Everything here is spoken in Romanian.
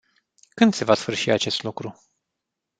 Când se va sfârși acest lucru?